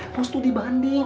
postu di bandung